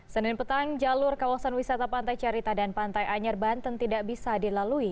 senin petang jalur kawasan wisata pantai carita dan pantai anyer banten tidak bisa dilalui